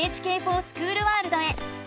「ＮＨＫｆｏｒＳｃｈｏｏｌワールド」へ。